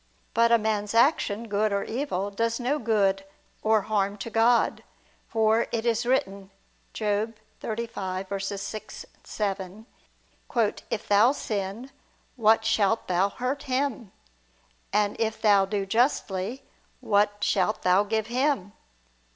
But a man's action, good or evil, does no good or harm to God; for it is written (Job 35:6, 7): "If thou sin, what shalt thou hurt Him? ... And if thou do justly, what shalt thou give Him?"